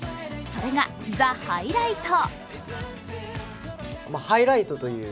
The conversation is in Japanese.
それが、「ザ・ハイライト」。